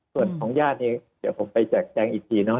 ส่วนของญาติเองเดี๋ยวผมไปแจกแจงอีกทีเนอ